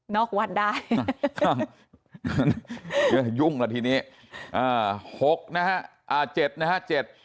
อกวัดได้เดี๋ยวยุ่งละทีนี้อ่าหกนะฮะอ่าเจ็ดนะฮะเจ็ด